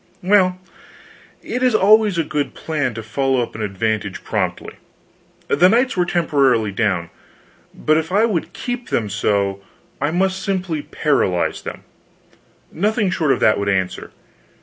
Well, it is always a good plan to follow up an advantage promptly. The knights were temporarily down, but if I would keep them so I must just simply paralyze them nothing short of that would answer.